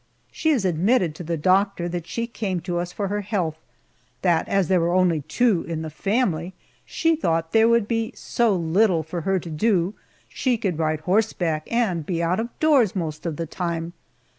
She has admitted to the doctor that she came to us for her health; that as there are only two in the family, she thought there would be so little for her to do she could ride horseback and be out of doors most of the time!